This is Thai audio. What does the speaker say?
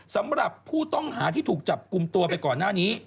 สำหรับผู้ต้องหาที่ถูกจับกลุ่มตัวไปก่อนหน้านี้